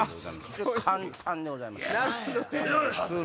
簡単でございます。